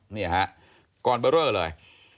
นี่ฮะกรเบอร์เรอเลย